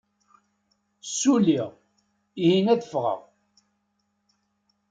Ssuliɣ, ihi ad ffɣeɣ.